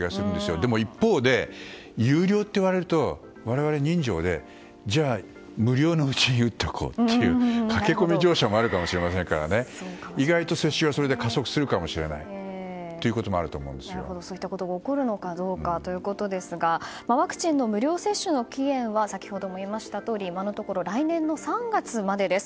でも一方で、有料といわれると我々、人情でじゃあ、無料のうちに打っておこうという駆け込み乗車もあるかもしれませんから意外と接種がそれで加速するかもしれないそういったことが起こるのかどうかということですがワクチンの無料接種の期限は先ほども言いましたとおり今のところ来年の３月までです。